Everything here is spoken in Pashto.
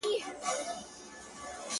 o زلیخا دي کړه شاعره زه دي هلته منم عشقه,